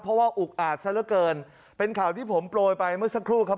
เพราะว่าอุกอาจซะละเกินเป็นข่าวที่ผมโปรยไปเมื่อสักครู่ครับ